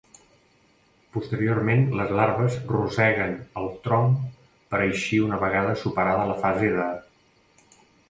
Posteriorment les larves roseguen el tronc per a eixir una vegada superada la fase de.